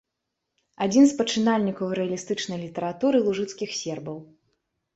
Адзін з пачынальнікаў рэалістычнай літаратуры лужыцкіх сербаў.